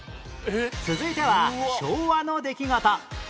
続いては昭和の出来事